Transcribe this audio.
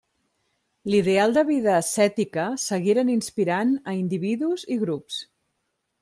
L'ideal de vida ascètica seguiren inspirant a individus i grups.